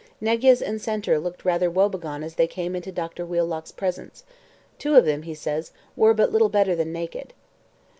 Negyes and Center looked rather woebegone as they came into Dr Wheelock's presence: 'Two of them,' he says, 'were but little better than naked.'